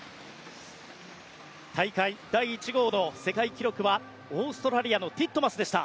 大会第１号の世界記録はオーストラリアのティットマスでした。